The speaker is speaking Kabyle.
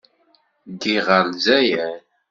Ddiɣ ɣer Lezzayer.